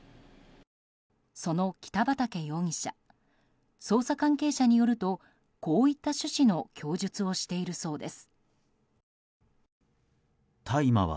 その北畠容疑者捜査関係者によるとこういった趣旨の供述をしているそうです。